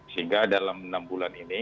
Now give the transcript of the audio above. sehingga dalam enam bulan ini